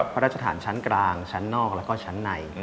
พระราชฐานชั้นกลางชั้นนอกแล้วก็ชั้นใน